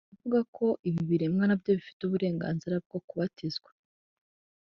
Papa yakomeje avuga ko ibi biremwa nabyo bifite uburenganzira bwo kubatizwa